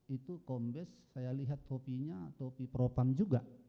itu kombes saya lihat topinya topi propang juga